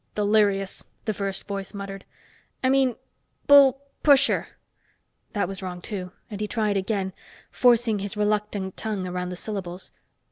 "Delirious," the first voice muttered. "I mean bull pusher!" That was wrong, too, and he tried again, forcing his reluctant tongue around the syllables.